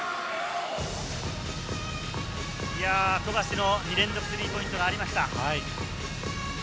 富樫の２連続スリーポイントがありました。